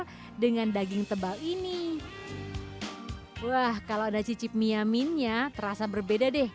iya ketika sedang mencicipinya saya awal ingin nyuruh apa yang saya nampak ini berbeda